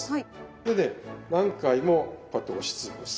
でね何回もこうやって押し潰す。